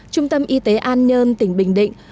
trung tâm y tế an nhơn tỉnh bình định